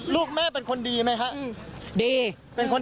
ลูกแม่เป็นคนดีไหมคะ